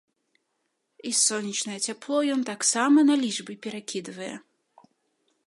І сонечнае цяпло ён таксама на лічбы перакідвае.